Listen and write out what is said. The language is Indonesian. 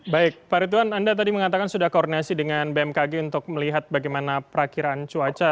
baik pak ridwan anda tadi mengatakan sudah koordinasi dengan bmkg untuk melihat bagaimana perakhiran cuaca